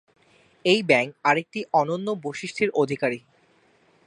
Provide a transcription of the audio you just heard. এই ব্যাঙ আরেকটি অনন্য বৈশিষ্ট্যের অধিকারী।